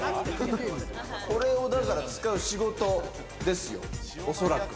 これをだから使う仕事ですよ、おそらく。